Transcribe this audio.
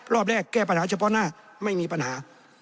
รอบแรกแก้ปัญหาเฉพาะหน้าไม่มีปัญหา